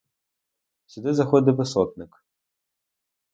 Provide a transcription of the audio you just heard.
Сюди заходив і сотник.